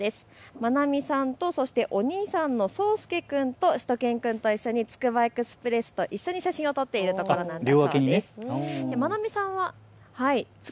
愛海さんとそしてお兄さんのそうすけ君としゅと犬くんと一緒につくばエクスプレスと一緒に写真を撮っているところなんです。